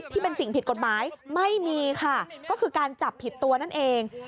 ที่เป็นสิ่งผิดกฎหมายไม่มีค่ะก็คือการจับผิดตัวนั่นเอง